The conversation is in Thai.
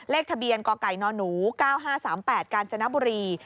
เลขทะเบียนกไก่นหนู๙๕๓๘กาญจนบุรี